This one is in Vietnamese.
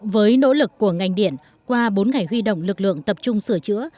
với nỗ lực của ngành điện qua bốn ngày huy động lực lượng tập trung sửa chữa